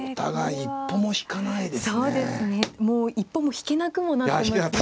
もう一歩も引けなくもなってますね。